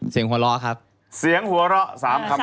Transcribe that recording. เชิญครับ